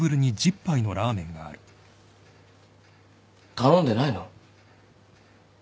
頼んでないの？